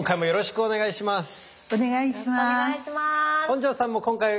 よろしくお願いします。